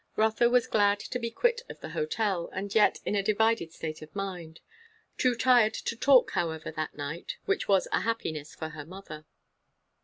Rotha was glad to be quit of the hotel, and yet in a divided state of mind. Too tired to talk, however, that night; which was a happiness for her mother.